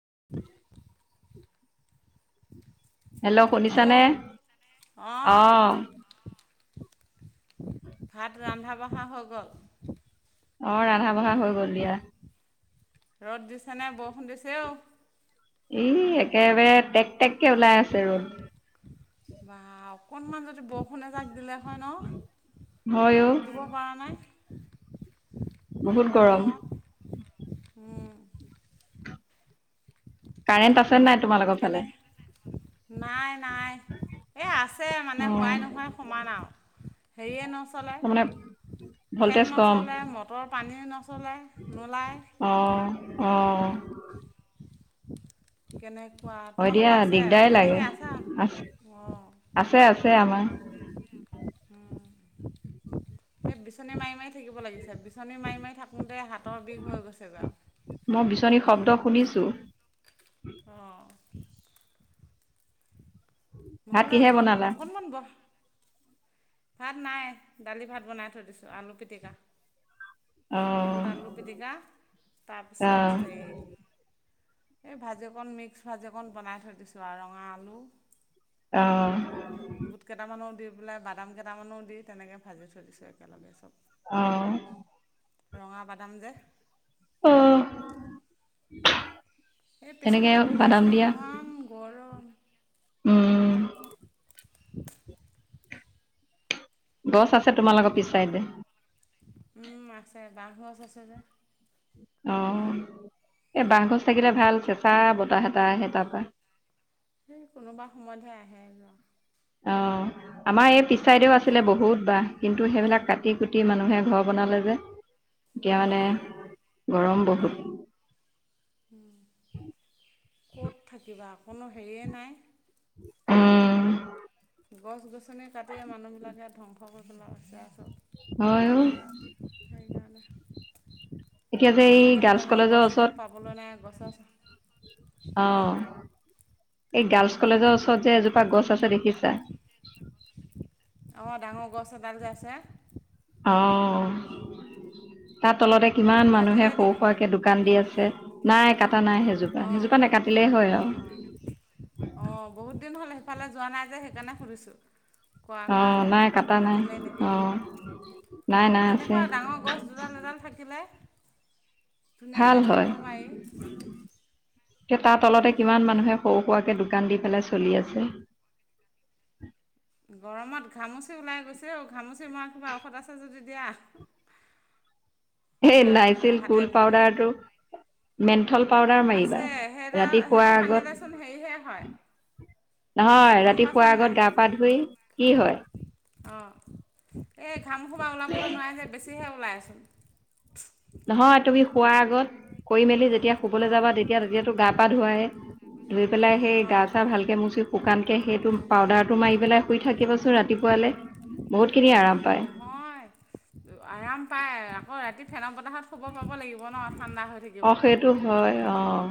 [unintelligible] Hello শুনিছানে অঁ অহ। ভাত ৰন্ধা বঢ়া হৈ গ'ল। অঁ ৰান্ধা বঢ়া হৈ গ'ল দিয়া। ৰ'দ দিছেনে বৰষুণ দিছেও। ই একেবাৰে টেক টেক কে ওলাই আছে ৰ'দ। বা অকণমান যদি বৰষুণ এজাক দিলে হয় হয় ন অ থাকিব পৰা নাই। বহুত গৰম। গৰমত উম। কাৰেণ্ট আছে নাই তোমাৰ লগৰ কেনে ফালে। নাই নাই এই আছে মানে হোৱাই অঁ নোহোৱ সমান আও। হেৰিয়ে নচলে তাৰমানে ফেন ভল্টেজ কম। নচলে মটৰ পানী ন। চলে নলায়। অ। কেনেক। অ দিয়া দিগদাৰ লাগে আ। অঁ আছে আছে আমাৰ। উম বিচনী মাৰি মাৰি। থাকিব লাগিছে বিচনী মাৰি মাৰি থাকোতে হাতৰ বিষ হৈ গৈছে বাৰু টো অ ভাত নহলে কিহে বনালা? গৰমত অকনমান বহ ভাত নাই দালি ভাত বনাই থৈ দিছোঁ আলু পিটিকা অঁ বুট আলু পিটিকা তাৰপিছত অঁ হেই এই ভাজ অকণ মিক্স ভাজি অকণ বনাই থৈ দিছোঁ আৰু ৰঙা আলু অঁ বুট বুট কেইটামানৰ দি পিলাই বাদাম কটামানো দি তেনেকৈ ভাজি থৈ দিছোঁ একেলগে চব আহ ৰঙা বাদাম যে আহ এই পিছফালে বহি আছো ইমান গৰম উম গছ আছে তোমালোকৰ পিছাই দে আছে বাঁহ গছ আছে যে অ এই বাহ গজ থাকিলে ভাল চেঁচা বতাহ এটা আহে তাৰ পৰা সেই কোনোবা সময়তহে আহে যোৱা অ আমাৰ এই পিছাইদেউ আছিলে বহুত বাহ কিন্তু সেইবিলাক কাটি কুটি মানুহে ঘৰ বনালে যে এতিয়া মানে অঁ গৰম বহুত ক'ত থাকিবা অকণো হেৰিয়ে নাই উম গছ গছনি কাটিয়ে মানুহবিলাকে ধ্বংস কৰিবেলাই বিচ আছোঁ হয় অ এতিয়া যে এই আজিকালি গাৰ্লছ ডাঙৰ কলেজৰ গছ ওচৰত এডাল পাবলৈ নাই গছৰ অ অঁ এই গাৰ্লচ কলেজৰ ওচৰৰ তই যে এজোপা গছ আছে দেখিছা। অমাৰ ডাঙৰ গছ এডাল যে আছে। অ তাৰ তলতে কি কিমান মানুহে কাটিলে সৰু নেকি সোৰাকে দোকান দি আছে। নাই কটা নাই সেইজোপা অঁ সেইজোপা নে কাটিলেই হয় অঁ অঁ আৰু সফালে যোৱা নাই যে সেইকাৰণে সুধিছোঁ কৰ অ' কাৰণে নাই কাটা নাই কাটিলে এনেকৈ বোলো। অ' নাই নাই আছে তেনেকুৱা ডাঙৰ গছ দুডাল এডাল থাকিলে। ভাল ধুনীয়াকৈ হয় থাকিব পাৰি। তে তাৰ তলতে কিমান মানুহে সৰু সুৱাকে দোকান দি পেলাই চলি আছে। গৰমত ঘামুচি ওলাই গৈছে অ ঘামুচি মাৰ কিবা ঔষধ আছে যদি দিয়া। [inaudible] হ খজুৱাই খজুৱাই নাইছিল হাতে কুল ভৰিয়ে। পাউদাৰটো মেন্থল পাউদাৰ মাৰিবা আছে ৰাতি সেই শোৱাৰ সেইটো আগত খান্দিলেচোন হেৰিহে হয়। নহয় গম ৰাতি পাইছানে শুৱোৱাৰ নাই? আগত গা পা ধুই কি হয়। অঁ এই ঘাম খোবা ওলাবলৈ নোৱাৰাই যে বেছিহে ওলাই আছো। নহয় তুমি শোৱাৰ আগত কৰি মেলি যেতিয়া শুবলৈ অঁ যাবা তেতিয়া তেতিয়াতো গা পা ধুৱায়েই ধুইপেলাই সেই গা অঁ চা ভালকে মচি শুকানকে সেইটো পাউদাৰটো মাৰি পেলাই শুই থাক- কিব চোন ৰাতিপুৱালৈ বহুত নহয় আৰাম পায় আকৌ ৰাতি ফেন বতাহত শুব খোৱাব লাগিব ন ঠাণ্ডা হৈ থাকিব অ' সেইটো হয় অ'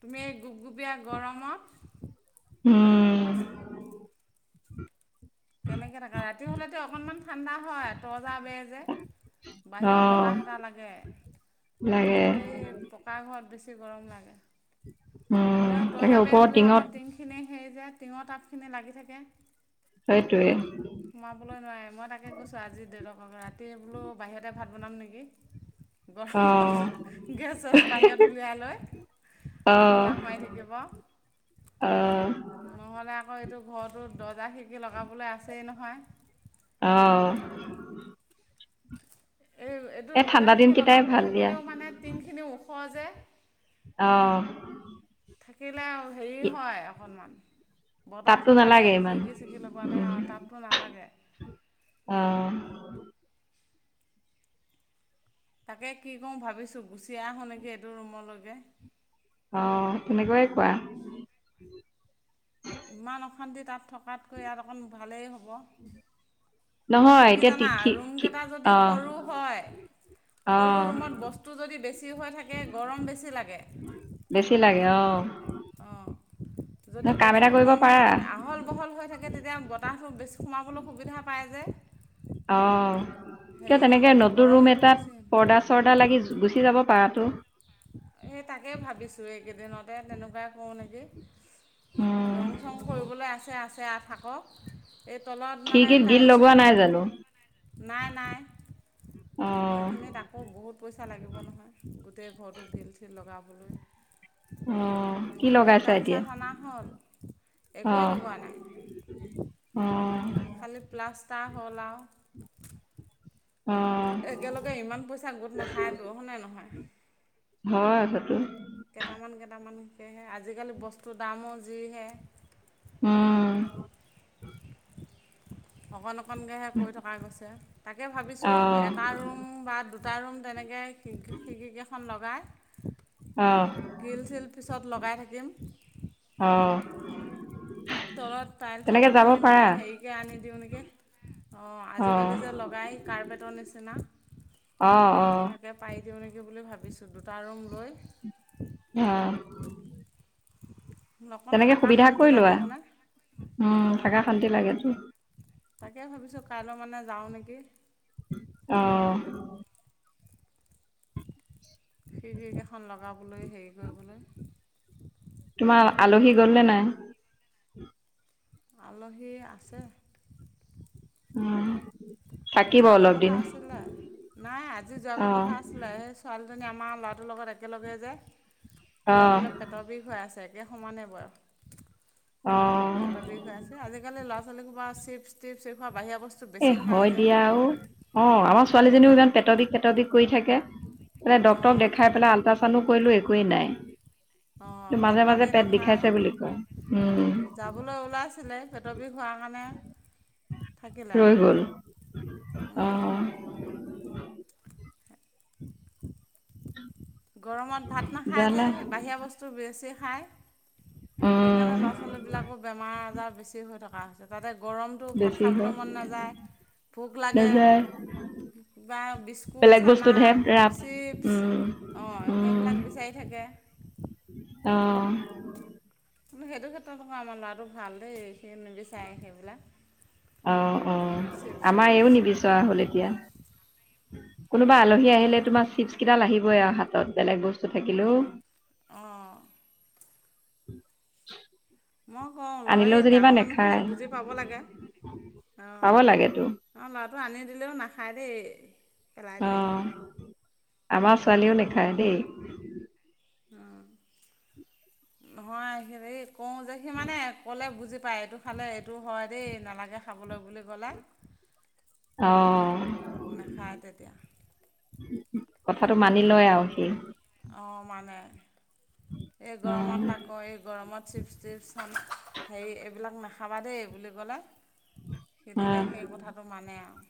গুপ গুপীয়া গৰমত। উম কেনেকে থাকে ৰাতি হলেতো অকনমান ঠাণ্ডা হয় ত জা বে যে অ বাহিৰৰ বতাহ এটাহ লাগে। লাগে কিন্তু এই পকা ঘৰত বেছি। গৰম লাগে উম হলে তই তাকে জাগে ওপৰৰ হ'লেও আকৌ টিঙত টিং খিনি সেই যে টিঙৰ টাপখিনি লাগি থাকে। সেইটোৱে সোমাবলৈ নোৱাৰে মই তাকে কৈছো আজি দেউতাক ৰাতি বোলো বাহিৰতে ভাত বনাম নেকি অ গৰমত গেছ চেছ বাহিৰত উলিয়াই লয়। অ বতাহ মাৰি থাকিব অ নহ'লে আকৌ। কি ঘৰতো দৰ্জা খিৰ্কি লগাবলৈ আছেই নহয়। অঁহ এই এইটো দৰ্জা দিন খিৰ্কী কেইটাই লগাবলৈ ভাল দিয়া থাকিলেও মানে টিংখিনি ওখ যে। অহ থাকিলে আৰু হেৰি হয় অকণমান তাপতো বতাহটো লাগে নালাগে ইমান খিৰিকি চিকি লগোৱা নাই আৰু তাততো নালাগে। অহ তাকে কি কওঁ ভাবিছোঁ গুচি আহোঁ নেকি এইটো ৰুমলৈকে অহ তেনেকুৱাই কোৱা। ইমান অশান্তি তাত থকাতকৈ ইয়াত অকণ ভালেই হ'ব। মানে নহয় কি এতিয়া জানা তিখি ৰুমকেইটা যদি অ সৰু হয়। অ সৰু ৰুমত বস্তু যদি বেছি হৈ থাকে গৰম বেছি লাগে। বেছি লাগে অ অ ন যদি কাম এটা বস্তু কৰিব কম পাৰা থাকে আহল বহল হৈ থাকে তেতিয়া বতাহ বেছি সোমাবলৈ সুবিধা পায় যে। অ কিয় হেৰি তেনেকে নালাগে নতুন ৰুম গৰমটো এটাত বেছি পৰ্দা চৰ্দা লাগি গুচি যাব পাৰাতো। সেই তাকেই ভাবিছোঁ এইকেইদিনতে তেনেকুৱাই কৰোঁ নেকি? উম ৰং চং কৰিবলৈ আছে আছে আ থাকক। এই তলত মানে খিৰিকীত গিল টাইলছ লগোৱা লগাম নাই বুলি জানো? নাই নাই। অঁ সেইখিনিত অঁ কি খিৰকি লগাইছা কাঠ এতিয়া? চাঠ অনা হ'ল? একোৱে অঁ লগোৱা নাই অঁ খালি প্লাষ্ট ষ্টা হল আও অঁ একেলগে ইমান পইচা গোট নাখায় টো হয় নে নহয় হয় সেইটো কেইটামান কেইটামানকেহে আজিকালি বস্তুৰ দামো যিহে উম অকন অকণকৈহে কৈ থকা গৈছে তাকে ভাবিছোঁ অঁ এটা ৰুম বা দুটা ৰুম তেনেকৈ খিৰকি কেইখন লগাই অঁ গ্ৰিল চিল পিছত লগাই থাকিম অঁ তলত টাইলচৰ তেনেকে যাব সলনি পাৰা মানে হেৰিকে আনি দিওঁ নেকি অ অঁ আজিকালি যে লগাই কাৰ্পেটৰ নিচিনা অ অ দিও নেকি বুলি ভাবিছোঁ দুটা ৰুম লৈ অহ অকণ থকা শান্তি লাগে লোৱা হয়নে উম অঁ থাকা শান্তি লাগেতো তাকে ভাবিছোঁ কাইলৈ মানে যাওঁ নেকি অহ খিৰকিকেইখন লগাবলৈ হেৰি কৰিবলৈ তোমাৰ আলহী গলনে নাই আলহী আছে উম থাকিব যোৱাগৈ অলপ দিন কথা আছিলে নাই আজি যোৱাগৈ অঁ কথা আছিলে সেই ছোৱালী আমাৰ ল'ৰাটোৰ লগত একেলগে যে কিবা অঁ বোলে পেটৰ বিষ হৈ আছে এতিয়া সমান নে বয়স অহ পেটৰ বিষ হৈ আছে আজিকালি ল'ৰা ছোৱালী সোপা চিপ্চ টিপ্চ এ এ হয় দিয়া অ আমাৰ ছোৱালীজনীও ইমান সেইকাৰণে পেটৰ বিষ পেতৰ বিষ কৰি থাকে মানে ডক্তৰক অঁ দেখাই পেলাই আল্ট্ৰাচনো কৰিলো একোৱেই নাই অঁ ত ভাত মাজে পানী মাজে পেট নাখায় বিখাইছে বুলি কয় উম যাবলৈ ওলাইছিলে পেটৰ বিষ হোৱাৰ কাৰণে থাকিলে ৰৈ আকৌ গল আহ গৰমত ভাত নাখায় যে জালা বাহিৰা বস্তু বেছি খায় সেইকাৰণে উম ল'ৰা ছোৱালী বিলাকৰ বেমাৰ আজাৰ বেছি হৈ থকা হৈছে তাতে গৰমটো ভাত বেছি খাবলৈ হয় মন নাযায় ভোক লাগে নাযায় কিবা‌ বিস্কুট বেলেগ চানা বস্তুতহে ৰাপ উম চিপছ অ‌ উম সেইবিলাক বিচাৰি থাকে অ কিন্তু সেইটো ক্ষেত্ৰত আকৌ আমাৰ ল'ৰাটো ভাল দেই সি নিবিচাৰে সেইবিলাক অ অ চিপছ আমাৰ এইও টিপছ নিবিচৰা হ'ল এতিয়া কোনোবা আলহী আহিলে অঁ তোমাৰ চিপছ কেইডাল আহিবই আৰু হাতত বেলেগ বস্তু থাকিলো অঁ [unintelligible] মই কওঁ লৰা এই আনিলেও যেনিবা ডাঙৰ মানুহ খিনিয়ে নেখায় বুজি পাব লাগে অ পাব লাগেতো অ ল টো আনি দিলেও নাখায় দেই পেলাই অ দিয়ে আমাৰ নাখাওঁ ছোৱালীও বুলি নেখায় বোলে দেই নহয় হেৰি কও যে সি মানে ক'লে বুজি পাই এইটো খালে এইটো হয় দেই নালাগে খাবলৈ বুলি ক'লে অ নাখায় তেতিয়া। কথাটো মানি লয় আৰু সি অঁ মানে, এই অ গৰমত আকৌ এই গৰমত চিপক্ৰিপচন হেৰি এইবিলাক নাখাবা দেই বুলি কলে। সেইটো তেতিয়া সেই কথাটো মানে আৰু।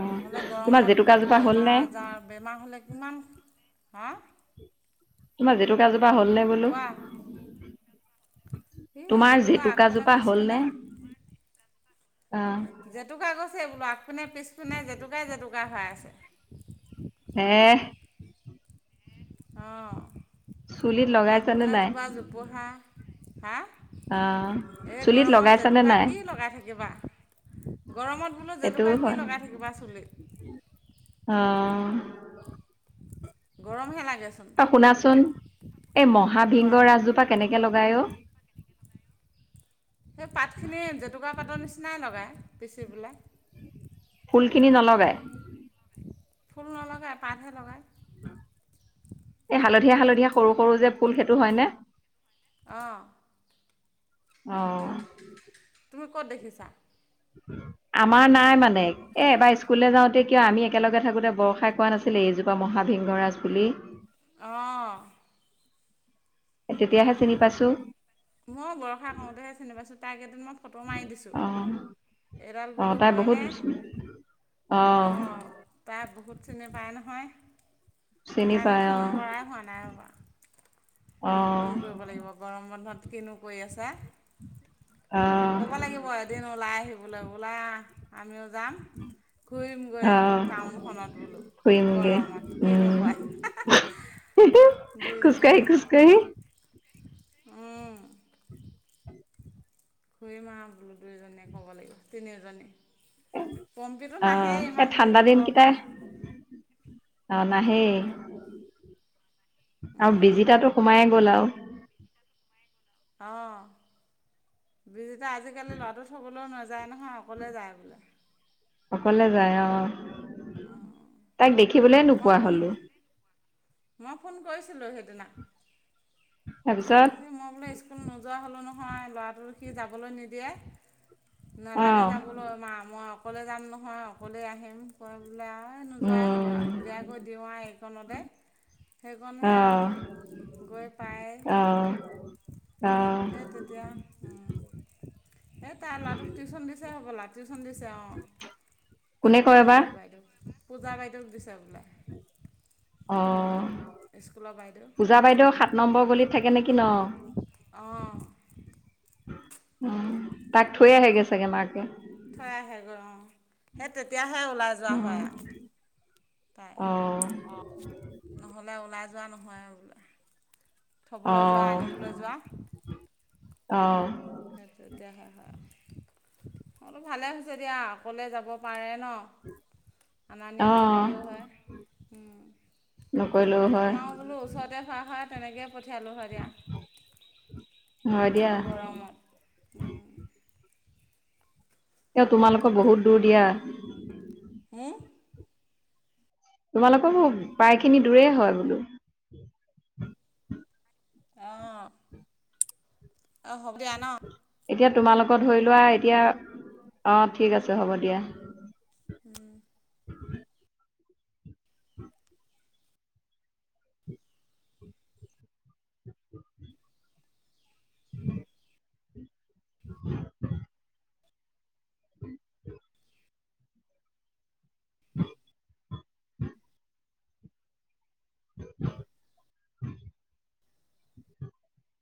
অ নহলে তোমাৰ গৰমত জেতুকাজোপা বেমাৰ- হ'লনে আজাৰ বেমাৰ হলে কিমান হা! তোমাৰ জেতুকাজোপা হ'ল নে বোলো? স তোমাৰ জেতুকা আগ পিনে জেতুকাজোপা পিছপিনে হ'লনে অ জেতুকা গছ বোলো আগফিনে পিছপিনে জেতুকাই জেতুকা হৈ আছে এহ অঁ আগ লগাইছানে নাই পোনাজোপা জোপোহা হাঁ অ চুলিত লগাইছানে নাই? কি লগাই থাকিবা গৰমত বোলো সেইটোও জেতুকা কি হয় লগাই থাকিবা চুলিত অ গৰম হে লাগে ত শুনাচোন এই মহা কোৱা ভিংগ ৰাজজোপা কেনেকে লগায় অ সেই পাতখিনি জেতুকা পাতৰ নিচিনাই লগাই পিচি পেলাই ফুলখিনি নলগাই ফুল নলগাই পাতহে লগায় এ হালধীয়া হালধীয়া সৰু সৰু যে ফুল সেইটো হয় নে? অঁ আহ তুমি ক'ত দেখিছা? আমাৰ নাই মানে এবাৰ স্কুলে যাওঁতে কিয় আমি একেলগে থাকোতে বৰ খাই কোৱা নাছিলে? এইজোপা মহাবিংগৰাজ বুলি আহ। তেতিয়াহে চিনি পাইছো। মই বৰষা কৰওঁতেহে চিনি পাইছোঁ তাৰ কেইদিন মই ফটো মাৰি দিছোঁ। এইডাল আহ বোলো তাই বহুত হয়নে আহ। অঁ তাই বহুত চিনি পায় নহয়, চিনি কাইলৈ পায় ফোন অ' কৰাই হোৱা নাই ৰ'বা! অ' ফোন কৰিব লাগিব গৰম বন্ধত কিনো কৰি আছে? অ' ক'ব লাগিব এদিন ওলাই আহি বোলে বোলা আমিও যাম। ঘূৰিম গৈ অ' টাউনখনত বোলো ফুৰিমগে গৰমত কিনো উম কয় হা হা। দুইজনিয়ে। খোজকাঢ়ি খোজকাঢ়ি উম। খৰি মা বোলো দুই এজনীয়ে ক'ব লাগিব তিনিজনী। পম্পীটো অ' নাহেই এই ইমান ঠাণ্ডা দূৰৰ পৰা। দিনকেইটাই অ নাহেই আৰু বিজিতাটো সোমাই ব'লাও। অঁ, বিজু আজিকালি ল'ৰাটো থবলৈও না যায় নহয় অকলে যায় বোলে। অকলে যায় অহ, তাইক দেখিবলৈ মই নোপোৱা ফোন হলো। মই ফোন কৰিছিলোঁ সেইদিনা, তাৰপিছত তাৰপিছে মই বোলে স্কুল নোযোৱা হ'ল নহয় ল'ৰাটো সি যাবলৈ নিদিয়ে, নালাগে অ' যাবলৈ মা ম অকলে যাম নহয়, অকলে আহিম কৈ বোলে আৰু নোযোৱাই হ'লোঁ উম আৰু। উলিয়াই কৈ দিওঁ আৰু এইকণতে। সেইকণ আহ সেয়াও গৈ পায়। অ। তেতিয়া উম এই তাই ল'ৰাটোক টিউচন দিছে হ'বলা, টি দিছে অ, কোনে কয় হেৰি বা বাইদেউ পূজা বাইদেউক দিছে বোলে। অঁহ স্কুলৰ বাইদেউ পূজা বাইদেউ সাত নম্বৰ গলিত থাকে নেকি ন? অঁ উম, তাক থৈ আহেগে চাগে মাকে থৈ আহে গৈ অ' সেই তেতিয়াহে ওলাই যোৱা হয় আৱ। তাই, অ অ নহ'লে ওলাই যোৱা নহয় আৰু বোলে। অ থ'বলৈ যোৱা আনিবলৈ যোৱা। অ'। সেই তেতিয়া হে হয় আৰু। অ' ভালে হৈছে দিয়া, অকলে যাব পাৰে ন। অনা নিয়া অ নকৰিলেও হয়। উম'। নকৰিলেও হয় আমাৰ বোলো ওচৰতে হোৱা হয় তেনেকে পঠিয়ালোঁ হয় দিয়া, হয় দিয়া গৰমত। উম'। এ তোমালোকৰ বহুত দূৰ দিয়া। হুম! তোমালোকৰ পায়খিনি দূৰে হয় বোলো। অ হব দিয়া ন? এতিয়া তোমালোকৰ ধৰি লোৱা এতিয়া, অঁ ঠিক আছে হ'ব দিয়া। উম'। [unintelligible] উম'। [unintelligible] [unintelligible]